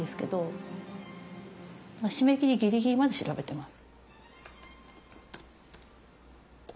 締め切りギリギリまで調べてます。